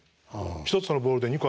１つのボールで２個